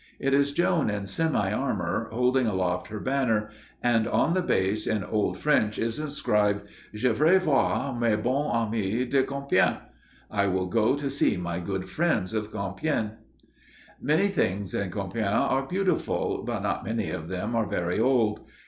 It is Joan in semi armor, holding aloft her banner; and on the base in old French is inscribed, "Je yray voir mes bons amys de Compiègne" "I will go to see my good friends of Compiègne." Many things in Compiègne are beautiful, but not many of them are very old.